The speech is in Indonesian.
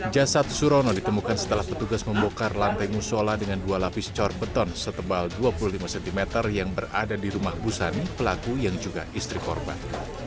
jasad surono ditemukan setelah petugas membongkar lantai musola dengan dua lapis cor beton setebal dua puluh lima cm yang berada di rumah busani pelaku yang juga istri korban